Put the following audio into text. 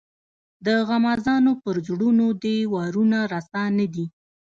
د غمازانو پر زړونو دي وارونه رسا نه دي.